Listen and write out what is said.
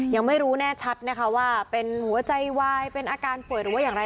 ยังไม่รู้แน่ชัดนะคะว่าเป็นหัวใจวายเป็นอาการป่วยหรือว่าอย่างไร